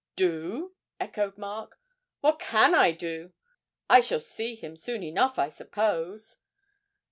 'Do?' echoed Mark. 'What can I do? I shall see him soon enough, I suppose.'